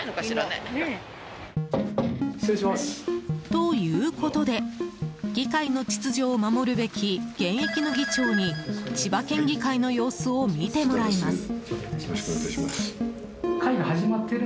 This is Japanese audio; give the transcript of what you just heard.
ということで議会の秩序を守るべき現役の議長に千葉県議会の様子を見てもらいます。